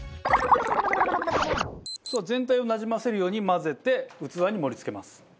さあ全体をなじませるように混ぜて器に盛り付けます。